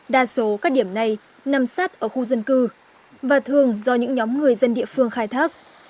đa số các điểm này nằm sát ở khu dân cư và thường do những nhóm người dân địa phương khai thác